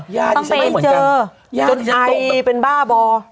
ยากมายเป็นบ้าบอ